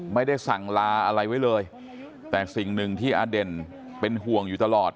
ไม่ได้สั่งลาอะไรไว้เลยแต่สิ่งหนึ่งที่อเด่นเป็นห่วงอยู่ตลอด